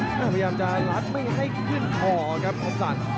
คนกินท้าพยายามจะรัดไม่ให้ขึ้นขอครับคนสัตว์